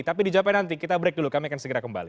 tapi dijawabkan nanti kita break dulu kami akan segera kembali